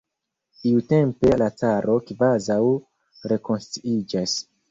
Iutempe la caro kvazaŭ rekonsciiĝas.